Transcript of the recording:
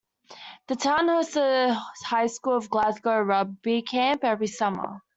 The town hosts the High School of Glasgow rugby camp every summer.